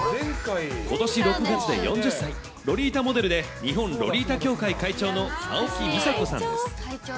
ことし６月で４０歳、ロリータモデルで日本ロリータ協会会長の青木みさこさんです。